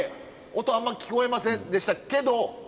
音あんま聞こえませんでしたけど。